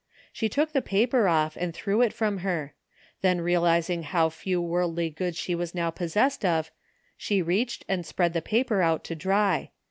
She took the paper off and threw it from her ; then realizing how few worldly goods she was now possessed oi, she reached and spread the paper out to dry.